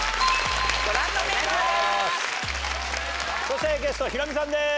そしてゲストはヒロミさんです